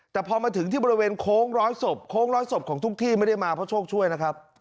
แต่พอมาถึงที่บริเวณโค้งร้อยศพโค้งร้อยศพของทุกที่ไม่ได้มาเพราะโชคช่วยนะครับ